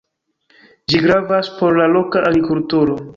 Ĝi gravas por la loka agrikulturo.